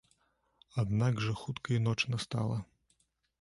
Аднак жа хутка і ноч настала.